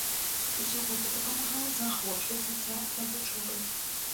Усё гэта дапамагае заахвочваць дзіця да вучобы.